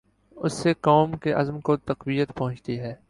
اس سے قوم کے عزم کو تقویت پہنچی ہے۔